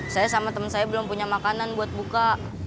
saya sama teman saya belum punya makanan buat buka